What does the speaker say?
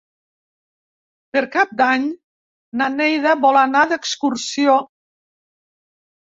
Per Cap d'Any na Neida vol anar d'excursió.